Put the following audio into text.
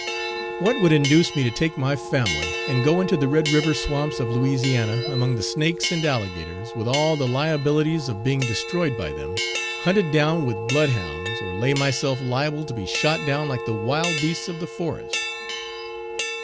What would induce me to take my family and go into the Red river swamps of Louisiana among the snakes and alligators, with all the liabilities of being destroyed by them, hunted down with blood hounds, or lay myself liable to be shot down like the wild beasts of the forest?